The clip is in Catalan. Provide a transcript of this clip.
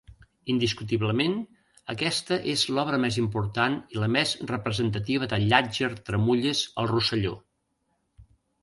Indiscutiblement, aquesta és l'obra més important i la més representativa de Llàtzer Tramulles al Rosselló.